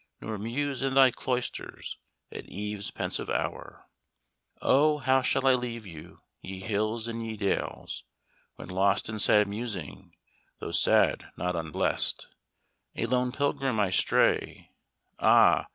Nor muse in thy cloisters at eve's pensive hour. "Oh, how shall I leave you, ye hills and ye dales, When lost in sad musing, though sad not unblest, A lone pilgrim I stray Ah!